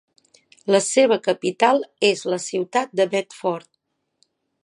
La seva capital és la ciutat de Bedford.